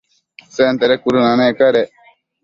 Sentede cuëdënanec cadec